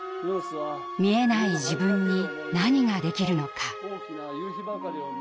見えない自分に何ができるのか。